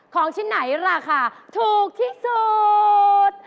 ของชิ้นไหนราคาถูกที่สุด